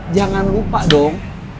jangan lupa dong